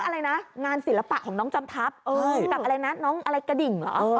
แล้วงานศิลปะของน้องจอมทรัพย์กับอะไรนะกระดิ่งหรอ